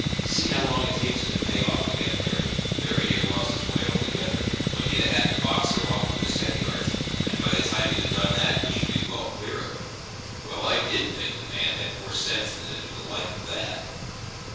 See how long it takes him to pay off ag'in, Harry; very near lost his way altogether, when he'd 'a had to box her off with his headyards; and by the time he'd done that we should be well clear of him. Well, I did think the man had more sense than to do the like of that."